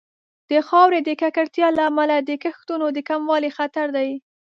د خاورې د ککړتیا له امله د کښتونو د کموالي خطر دی.